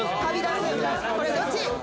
これどっち？